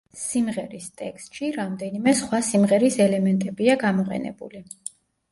სიმღერის ტექსტში რამდენიმე სხვა სიმღერის ელემენტებია გამოყენებული.